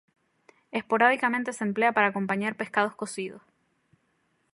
Esporádicamente se emplea para acompañar pescados cocidos.